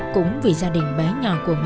cũng vì gia đình bé nhỏ của mình